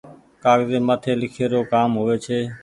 ڪآگزي مآٿي لکي رو ڪآم هووي ڇي۔